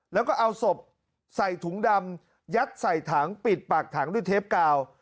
แล้วก็เอาศพใส่ถุงดำยัดใส่ถังปิดปากถังด้วยเทปกาว